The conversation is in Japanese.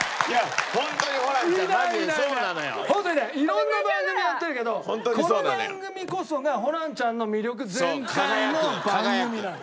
色んな番組やってるけどこの番組こそがホランちゃんの魅力全開の番組なの。